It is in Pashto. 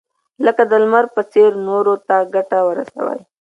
لکه د لمر په څېر نورو ته ګټه ورسوئ.